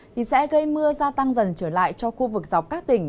thì sẽ gây mưa gia tăng dần trở lại cho khu vực dọc các tỉnh